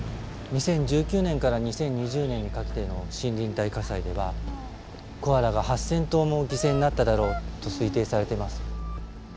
２０１９年から２０２０年にかけての森林大火災ではコアラが８，０００頭も犠牲になっただろうと推定されています。